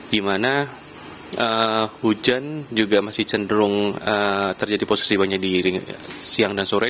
di mana hujan juga masih cenderung terjadi posisi banjir di siang dan sore